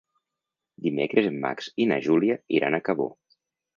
Dimecres en Max i na Júlia iran a Cabó.